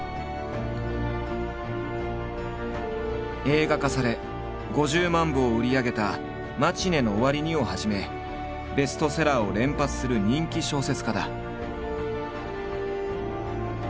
映画化され５０万部を売り上げた「マチネの終わりに」をはじめベストセラーを連発する人気小説家だ。